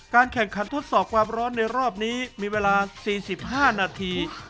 แข่งขันทดสอบความร้อนในรอบนี้มีเวลา๔๕นาที